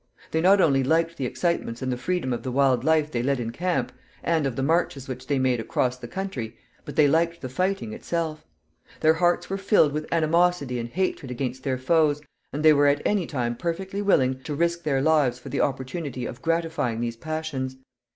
They not only liked the excitements and the freedom of the wild life they led in camp, and of the marches which they made across the country, but they liked the fighting itself. Their hearts were filled with animosity and hatred against their foes, and they were at any time perfectly willing to risk their lives for the opportunity of gratifying these passions.